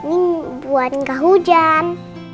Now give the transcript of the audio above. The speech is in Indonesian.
ini buat gak hujan